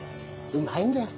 うまいんだよ